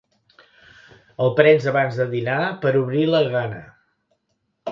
El prens abans de dinar per obrir la gana.